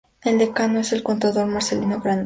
El decano es el contador Marcelo Granillo.